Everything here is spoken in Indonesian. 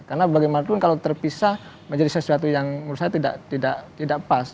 karena bagaimanapun kalau terpisah menjadi sesuatu yang menurut saya tidak pas